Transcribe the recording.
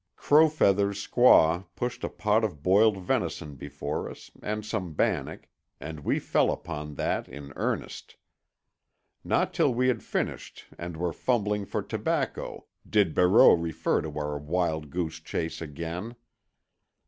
Crow Feathers' squaw pushed a pot of boiled venison before us, and some bannock, and we fell upon that in earnest. Not till we had finished and were fumbling for tobacco did Barreau refer to our wild goose chase again.